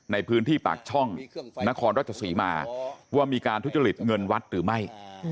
ในพื้นที่ปากช่องนครรัชศรีมาว่ามีการทุจริตเงินวัดหรือไม่